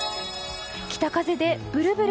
北風でブルブル。